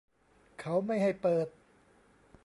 เขาไม่ให้เปิด